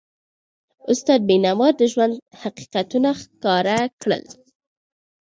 استاد بینوا د ژوند حقیقتونه ښکاره کړل.